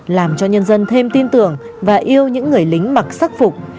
làm cho nhân dân thêm tin tưởng và yêu những người lính mặc sắc phục